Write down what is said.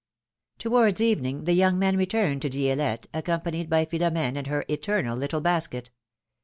T owards evening the young men returned to Dielette, accompanied by Philom^ne and her eternal little basket.